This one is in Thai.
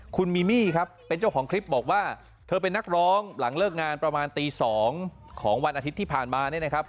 คุณมีมี่ครับเป็นเจ้าของคลิปบอกว่าเธอเป็นนักร้องหลังเลิกงานประมาณตี๒ของวันอาทิตย์ที่ผ่านมาเนี่ยนะครับ